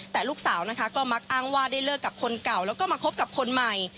แต่ลูกสาวนะคะก็มักอ้างว่าได้เลิกกับคนเก่าแล้วก็มาคบกับคนใหม่